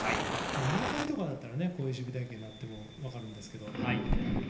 村上とかだったら、こういう守備隊形も分かるんですが。